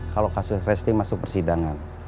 kalau kasus resti masuk persidangan